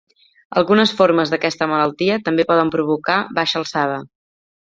Algunes formes d'aquesta malaltia també poden provocar baixa alçada.